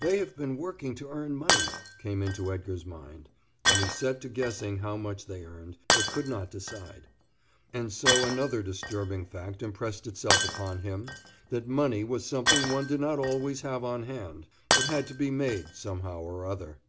"They have been working to earn money," came into Edgar's mind, and he set to guessing how much they earned, but could not decide. And so another disturbing fact impressed itself upon him, that money was something one did not always have on hand, but had to be made somehow or other.